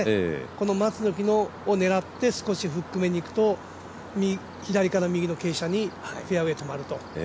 この松の木を狙って少しフックめにいくと左から右の傾斜にフェアウエー止まると。